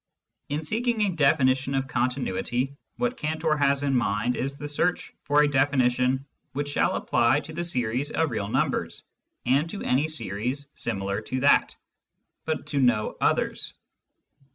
In seeking a definition of continuity, what Cantor has in mind is the search for a definition which shall apply to the series of real numbers and to any series similar to that, but to no others.